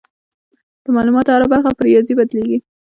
د معلوماتو هره برخه په ریاضي بدلېږي.